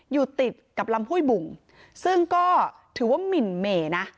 อยู่ติดกับลำห้วยบุ่งซึ่งก็ถือว่าหมิ่นเหม่นะ